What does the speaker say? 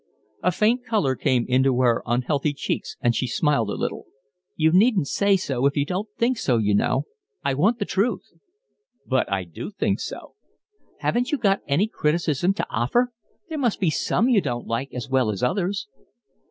A faint colour came into her unhealthy cheeks, and she smiled a little. "You needn't say so if you don't think so, you know. I want the truth." "But I do think so." "Haven't you got any criticism to offer? There must be some you don't like as well as others."